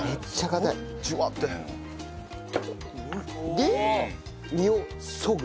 で実をそぐ。